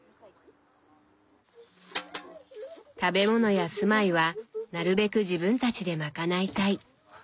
食べ物や住まいはなるべく自分たちで賄いたい。